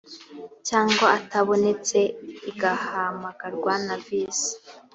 cyangwa atabonetse igahamagarwa na visi